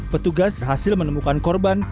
petugas berhasil menemukan korban